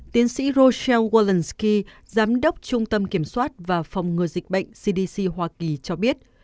tiến sĩ roseel worldsky giám đốc trung tâm kiểm soát và phòng ngừa dịch bệnh cdc hoa kỳ cho biết